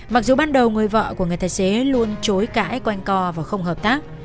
mặc dù ban đầu người vợ của người tài xế luôn chối cãi quanh co và không hợp tác